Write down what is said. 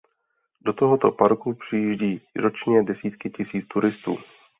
Do tohoto parku přijíždí ročně desítky tisíc turistů.